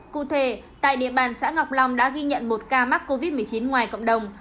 cụ thể tại địa bàn xã ngọc long đã ghi nhận một ca mắc covid một mươi chín ngoài cộng đồng